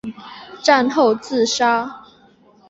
战后自杀。